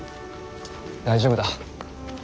大丈夫だ。